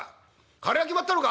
張りは決まったのか？」。